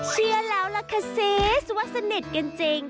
เชื่อแล้วล่ะคะซิสวัสดิษฐ์กันจริง